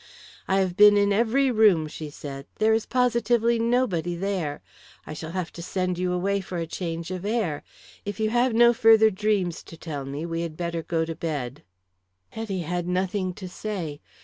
"I have been in every room," she said. "There is positively nobody there. I shall have to send you away for a change of air. If you have no further dreams to tell me we had better go to bed." Hetty had nothing to say.